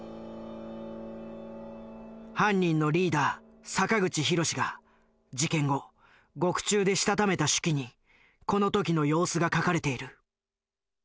犯人のリーダー坂口弘が事件後獄中でしたためた手記にこの時の様子が書かれている。